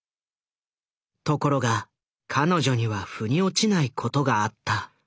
ところが彼女にはふに落ちないことがあった。